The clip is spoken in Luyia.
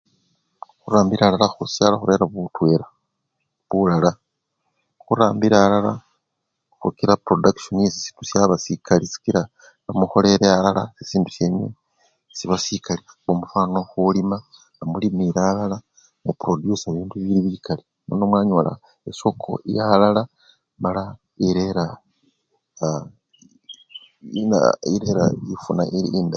Khurambila alala khushalo khurera butwela bulala, khurambila alala khukila prodakishon yesisindu shaba sikali sikila nemukholele alala sisindu shenywe siba sikali kaba nono khulima, nemulimile alala muprodwusa bibindu bikali nono mwanyola esoko yalala mala irera aa! ina! irera ifuna elii endayi